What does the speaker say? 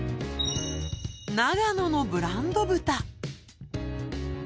長野のブランド豚